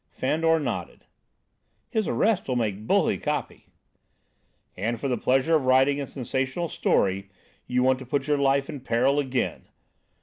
Fandor nodded. "His arrest will make bully copy." "And for the pleasure of writing a sensational story you want to put your life in peril again!"